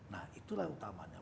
nah itulah utamanya